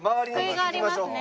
救いがありますね。